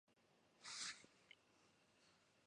Another cheese sandwich is the limburger sandwich.